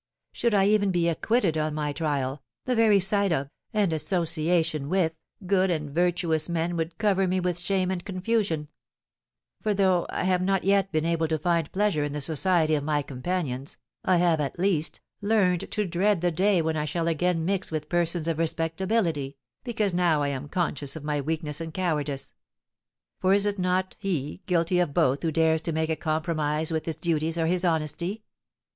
Should I even be acquitted on my trial, the very sight of, and association with, good and virtuous men would cover me with shame and confusion; for, though I have not yet been able to find pleasure in the society of my companions, I have, at least, learned to dread the day when I shall again mix with persons of respectability, because now I am conscious of my weakness and cowardice; for is not he guilty of both who dares to make a compromise with his duties or his honesty?